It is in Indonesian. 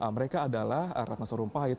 mereka adalah rakyat nasional rumpungan